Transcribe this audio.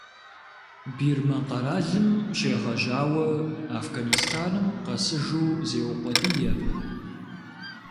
Бирмэ къэралым щегъэжьауэ Афганистаным къэсыжу зеукъуэдий абы.